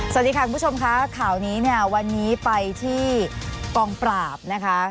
สวัสดีค่ะคุณผู้ชมค่ะข่าวนี้เนี่ยวันนี้ไปที่กองปราบนะคะ